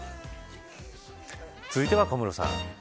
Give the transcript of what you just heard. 続いては小室さん。